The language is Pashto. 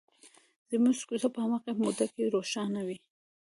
زموږ کوڅه په هماغې موده کې روښانه وي.